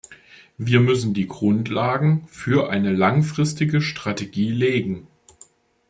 Wir müssen die Grundlagen für eine langfristige Strategie legen.